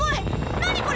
何これ！